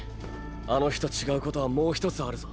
あの日と違うことはもう一つあるぞ。